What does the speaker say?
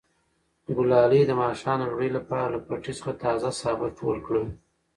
ګلالۍ د ماښام د ډوډۍ لپاره له پټي څخه تازه سابه ټول کړل.